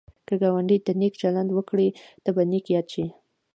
که ګاونډي ته نېک چلند وکړې، ته به نېک یاد شي